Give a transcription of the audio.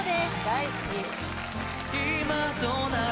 大好き・